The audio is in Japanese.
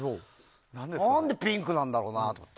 何でピンクなんだろうなと思って。